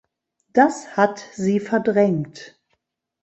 Das hat sie verdrängt.